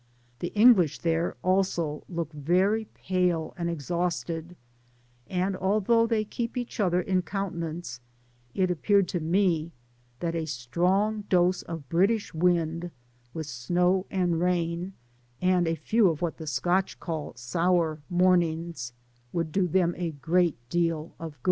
The Engliidi there, also, look very pale 'and exhausted ; and although they keep each other in countenance, it appeared to me, that a strong dose of British wind, with snow and rain, and a few of what the Scotch call " sour mornings,^' would do them a great deal of good.